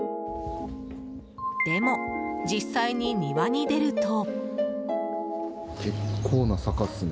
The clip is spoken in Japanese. でも、実際に庭に出ると。